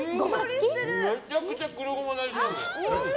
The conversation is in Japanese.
めちゃくちゃ黒ごまの味！